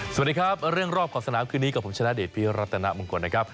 สวัสดีครับเรื่องรอบของสนามคืนนี้กับผมฉันณเดชน์พี่รัฐณบังกลนะครับ